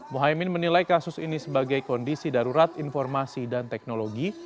muhaymin menilai kasus ini sebagai kondisi darurat informasi dan teknologi